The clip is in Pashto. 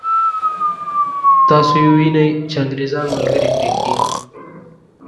تاسو یې وینئ چې انګرېزان ملګري پرېږدي.